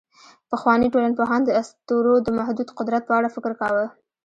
پخواني ټولنپوهان د اسطورو د محدود قدرت په اړه فکر کاوه.